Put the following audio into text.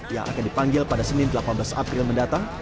yang akan dipanggil pada senin delapan belas april mendatang